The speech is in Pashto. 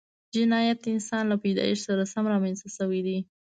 جنایت د انسان له پیدایښت سره سم رامنځته شوی دی